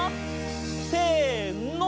せの！